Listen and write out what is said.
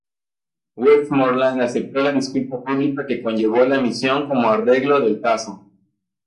Westmoreland aceptó la disculpa pública que conllevó la emisión como arreglo del caso.